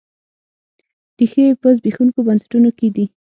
ریښې یې په زبېښونکو بنسټونو کې دي.